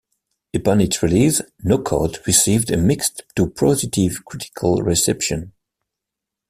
Upon its release, "No Code" received a mixed to positive critical reception.